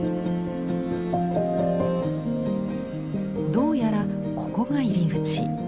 どうやらここが入り口。